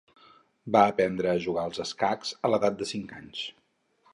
Va aprendre a jugar els escacs a l'edat de cinc anys.